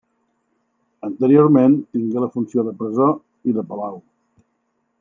Anteriorment tingué la funció de presó i de palau.